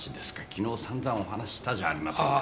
昨日散々お話ししたじゃありませんか。